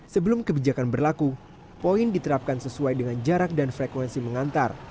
sebelum kebijakan berlaku poin diterapkan sesuai dengan jarak dan frekuensi mengantar